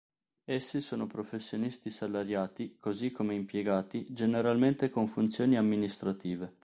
Essi sono professionisti salariati, così come impiegati, generalmente con funzioni amministrative.